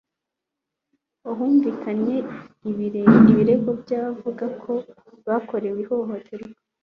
ahumvikanye ibirego by'abavuga ko bakorewe ihohoterwa